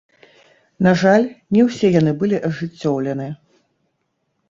На жаль, не ўсе яны былі ажыццёўлены.